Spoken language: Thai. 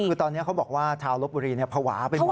คือตอนนี้เขาบอกว่าชาวลบบุรีภาวะไปหมด